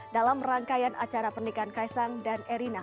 dalam rangkaian acara pernikahan kaisang dan erina